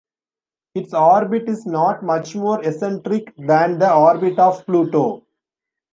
Its orbit is not much more eccentric than the orbit of Pluto.